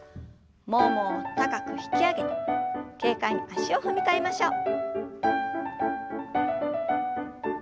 ももを高く引き上げて軽快に足を踏み替えましょう。